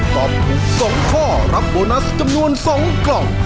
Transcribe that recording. ตอบถูก๒ข้อรับโบนัสจำนวน๒กล่อง